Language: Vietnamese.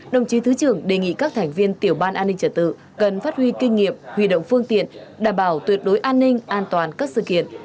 đồng chí thứ trưởng đề nghị các thành viên tiểu ban an ninh trả tự cần phát huy kinh nghiệm huy động phương tiện đảm bảo tuyệt đối an ninh an toàn các sự kiện